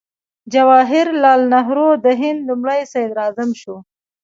جواهر لال نهرو د هند لومړی صدراعظم شو.